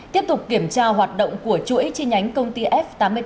tiếp tục kiểm tra hoạt động của chuỗi chi nhánh công ty f tám mươi tám